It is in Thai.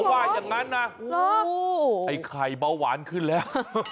ว่าอย่างนั้นนะไอ้ไข่เบาหวานขึ้นแล้ว